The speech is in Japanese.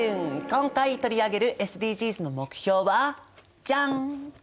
今回取り上げるＳＤＧｓの目標はじゃん！